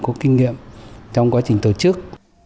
có kinh nghiệm trong quá trình tổ chức